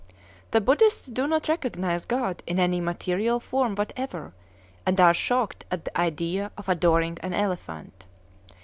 The Buddhists do not recognize God in any material form whatever, and are shocked at the idea of adoring an elephant.